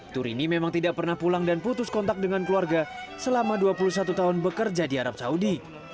turini memang tidak pernah pulang dan putus kontak dengan keluarga selama dua puluh satu tahun bekerja di arab saudi